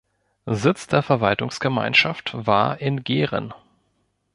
Sitz der Verwaltungsgemeinschaft war in Gehren.